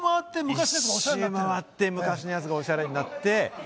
一周回って昔のやつがおしゃれになって。